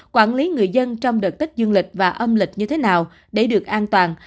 quản lý người dân trong đợt tích dương lịch và âm lịch như thế nào để được an toàn